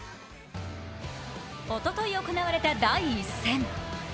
おととい行われた第１戦。